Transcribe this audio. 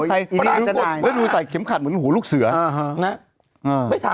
ข้อมูลของเหยื่อเขาบอกว่า